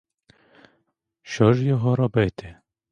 Що ж його робити?